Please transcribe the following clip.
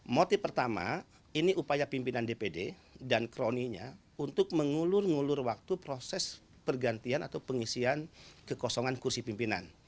motif pertama ini upaya pimpinan dpd dan kroninya untuk mengulur ngulur waktu proses pergantian atau pengisian kekosongan kursi pimpinan